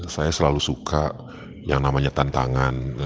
saya selalu suka yang namanya tantangan